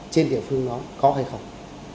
trên địa phương đó có hay không